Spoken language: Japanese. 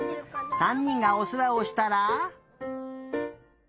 ３にんがおせわをしたら。